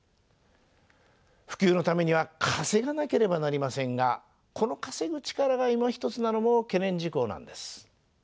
普及のためには稼がなければなりませんがこの稼ぐ力がいまひとつなのも懸念事項なんです。